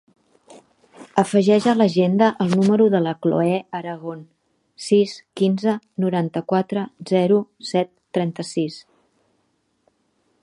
Afegeix a l'agenda el número de la Cloè Aragon: sis, quinze, noranta-quatre, zero, set, trenta-sis.